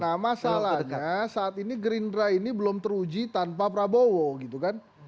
nah masalahnya saat ini gerindra ini belum teruji tanpa prabowo gitu kan